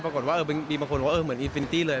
ปรากฏว่ามีบางคนบอกว่าเหมือนอีฟินตี้เลย